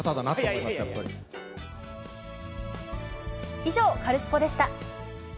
以上、カルスポっ！でした。